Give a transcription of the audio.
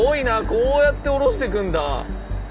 こうやって下ろしてくんだ！